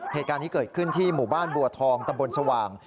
เหตุการณ์นี้เกิดขึ้นที่หมู่บ้านบัวทองตำบลสว่าง